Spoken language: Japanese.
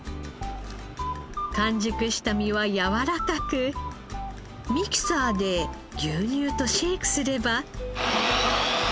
完熟した実はやわらかくミキサーで牛乳とシェイクすれば。